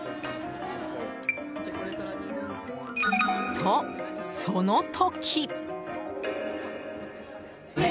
と、その時。